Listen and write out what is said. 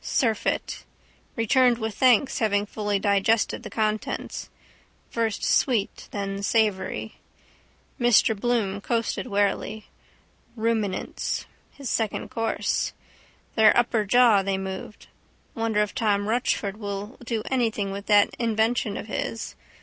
Surfeit. Returned with thanks having fully digested the contents. First sweet then savoury. Mr Bloom coasted warily. Ruminants. His second course. Their upper jaw they move. Wonder if Tom Rochford will do anything with that invention of his?